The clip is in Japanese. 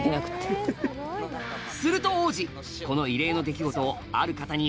すると王子